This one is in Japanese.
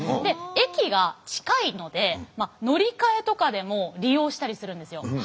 で駅が近いので乗り換えとかでも利用したりするんですよ。